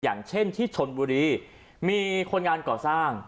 อย่างเช่นที่ชนบุรีมีคนงานก่อสร้าง